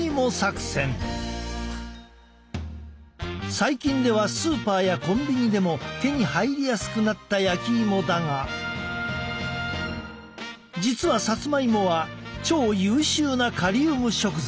最近ではスーパーやコンビニでも手に入りやすくなった焼きいもだが実はさつまいもは超優秀なカリウム食材。